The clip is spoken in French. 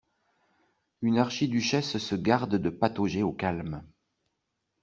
Une archiduchesse se garde de patauger au calme.